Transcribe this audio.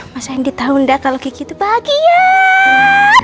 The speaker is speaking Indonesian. mas rendy tau gak kalo kiki tuh bahagiaaa